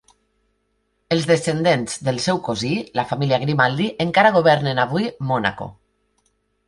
Els descendents del seu cosí, la família Grimaldi, encara governen avui Mònaco.